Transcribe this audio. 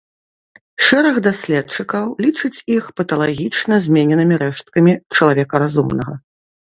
Шэраг даследчыкаў лічыць іх паталагічна змененымі рэшткамі чалавека разумнага.